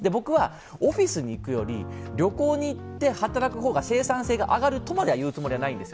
オフィスに行くより旅行に行って働く方が生産性が上がるとまで言うつもりはないんです